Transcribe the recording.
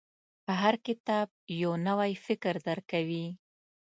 • هر کتاب، یو نوی فکر درکوي.